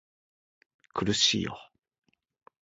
苦しいよ